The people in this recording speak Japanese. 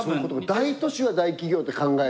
大都市は大企業って考える。